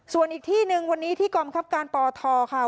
ส่วนอีกที่หนึ่งวันนี้ที่กองคับการปทค่ะ